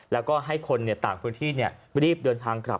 แล้วก็ให้คนต่างพื้นที่รีบเดินทางกลับ